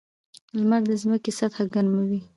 • لمر د ځمکې سطحه ګرموي.